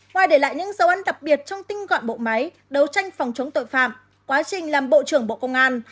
ngoài để lại những dấu ân đặc biệt trong tinh gọn bộ máy đấu tranh phòng chống tội phạm quá trình làm bộ trưởng bộ công an